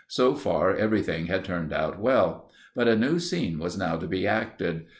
So far everything had turned out well. But a new scene was now to be acted.